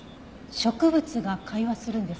植物が会話するんですか？